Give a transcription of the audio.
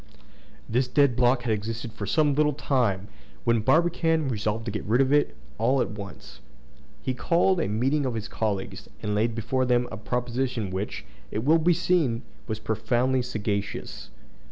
This dead block had existed for some little time, when Barbicane resolved to get rid of it all at once. He called a meeting of his colleagues, and laid before them a proposition which, it will be seen, was profoundly sagacious.